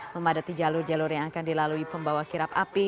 memadati jalur jalur yang akan dilalui pembawa kirap api